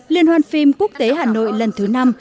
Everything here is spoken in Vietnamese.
liên hoan phim quốc tế hà nội lần thứ năm